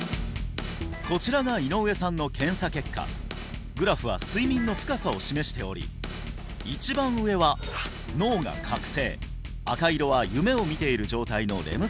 こちらが井上さんの検査結果グラフは睡眠の深さを示しており一番上は脳が覚醒赤色は夢を見ている状態のレム